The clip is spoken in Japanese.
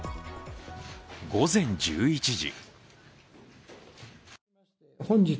午前１１時。